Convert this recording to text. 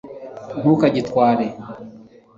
ntukagitware